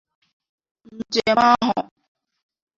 Njem ahụ